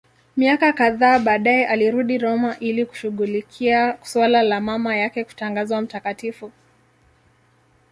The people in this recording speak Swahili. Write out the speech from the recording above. Miaka kadhaa baadaye alirudi Roma ili kushughulikia suala la mama yake kutangazwa mtakatifu.